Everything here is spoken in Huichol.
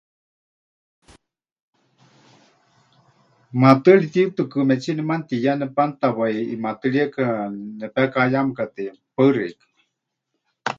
Maatɨari tiyutɨkɨmetsíe nemanutiya nepanútawai ʼimaatɨrieka nepekahayamɨkatɨya. Paɨ xeikɨ́a.